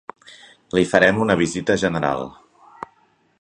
Li farem una visita general.